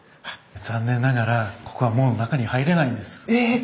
残念ながらここはもう中に入れないんです。え！